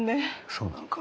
そうなのか？